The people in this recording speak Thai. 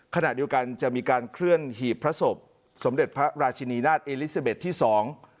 ขณะเดียวกันจะมีการเคลื่อนหีบพระศพสมเด็จพระราชินีนาฏเอลิซาเบสที่สอง